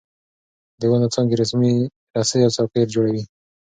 د ونو څانګې رسۍ او څوکۍ جوړوي.